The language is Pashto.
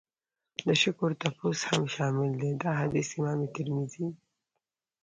د شکر تپوس هم شامل دی. دا حديث امام ترمذي